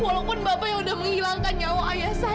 walaupun bapak yang sudah menghilangkan nyawa ayah saya